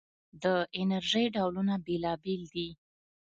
د انرژۍ ډولونه بېلابېل دي.